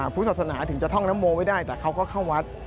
พุทธศาสนาถึงจะท่องนโมไม่ได้แต่เขาก็เข้าวัด